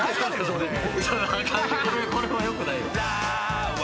それはよくないよ。